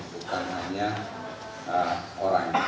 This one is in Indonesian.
bukan hanya orang